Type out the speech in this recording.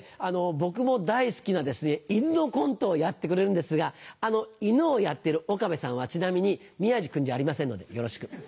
僕も大好きな犬のコントをやってくれるんですが犬をやってる岡部さんはちなみに宮治君じゃありませんのでよろしく。